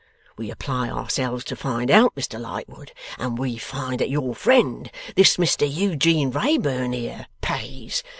We apply ourselves to find out, Mr Lightwood, and we find that your friend, this Mr Eugene Wrayburn, here, pays.